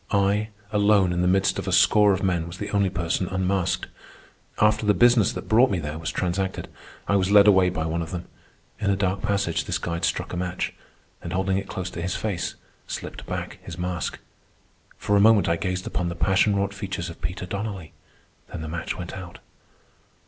I, alone in the midst of a score of men, was the only person unmasked. After the business that brought me there was transacted, I was led away by one of them. In a dark passage this guide struck a match, and, holding it close to his face, slipped back his mask. For a moment I gazed upon the passion wrought features of Peter Donnelly. Then the match went out.